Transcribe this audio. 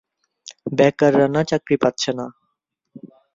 বেকার রানা চাকরি পাচ্ছে না।